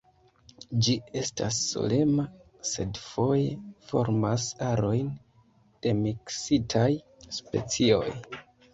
Ĝi estas solema, sed foje formas arojn de miksitaj specioj.